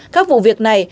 các vụ việc này